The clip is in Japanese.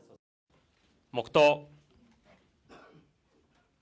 黙とう。